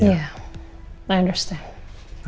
ya aku paham